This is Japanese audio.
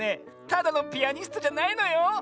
ただのピアニストじゃないのよ。